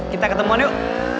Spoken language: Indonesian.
kita ketemuan yuk